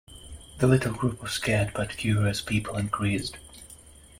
The little group of scared but curious people increased.